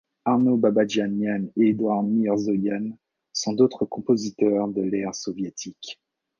Arno Babadjanyan et Edouard Mirzoyan sont d'autres compositeurs de l'ère soviétique.